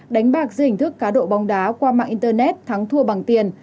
đánh bạc dưới hình thức cá độ bóng đá qua mạng internet thắng thua bằng tiền